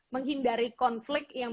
menghindari konflik yang